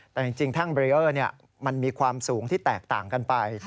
แต่จริงแท่งเบรีเออร์มันมีความสูงที่แตกต่างกันไป